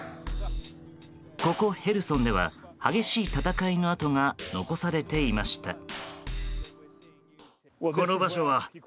ここヘルソンでは激しい戦いの跡が残されていました。